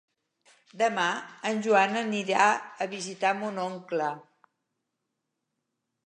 Demà en Joan anirà a visitar mon oncle.